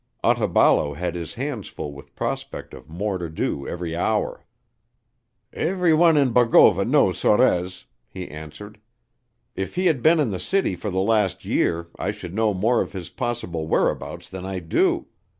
Otaballo had his hands full with prospect of more to do every hour. "Everyone in Bogova knows Sorez," he answered. "If he had been in the city for the last year I should know more of his possible whereabouts than I do.